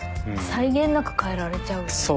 際限なく変えられちゃうよね。